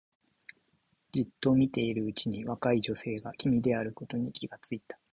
じっと見ているうちに若い女性が君であることに気がついた